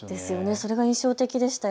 それが印象的でした。